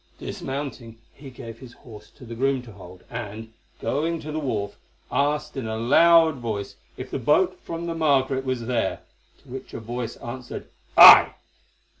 Dismounting, he gave his horse to the groom to hold, and, going to the wharf, asked in a loud voice if the boat from the Margaret was there, to which a voice answered, "Aye."